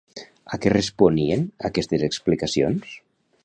A què responien aquestes explicacions?